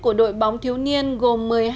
của đội bóng thiếu niên gồm